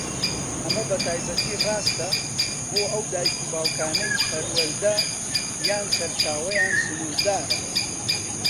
ئەمە بەتایبەتی ڕاستە بۆ ئەو دایک و باوکانەی پەروەردە یان سەرچاوەیان سنوردارە.